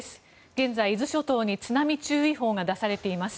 現在、伊豆諸島に津波注意報が出されています。